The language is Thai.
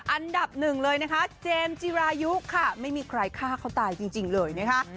อันดับหนึ่งเลยนะคะเจมส์จิรายุค่ะไม่มีใครฆ่าเขาตายจริงเลยนะคะ